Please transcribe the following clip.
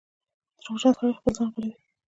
• دروغجن سړی خپل ځان غولوي.